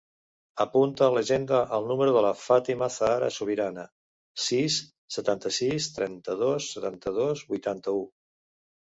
Apunta a l'agenda el número de la Fàtima zahra Subirana: sis, setanta-sis, trenta-dos, setanta-dos, vuitanta-u.